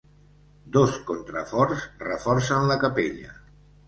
Dos contraforts reforcen la capella.